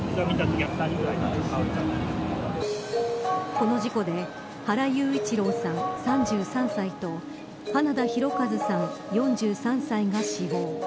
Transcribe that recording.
この事故で原裕一郎さん３３歳と花田大和さん４３歳が死亡。